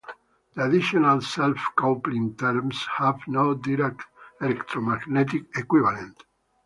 The additional self-coupling terms have no direct electromagnetic equivalent.